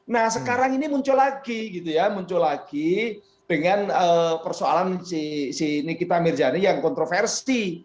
nah sekarang ini muncul lagi gitu ya muncul lagi dengan persoalan si nikita mirjani yang kontroversi